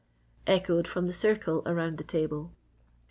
echoed from the circle around the table.